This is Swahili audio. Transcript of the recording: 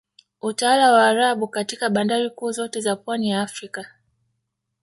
Utawala wa Waarabu katika bandari kuu zote za pwani ya Afrika